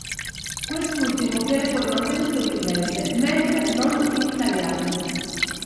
Quest'ultimo viene poi mantenuto in inglese, mentre non in italiano.